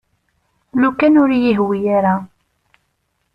Lukan ur iyi-yehwi ara.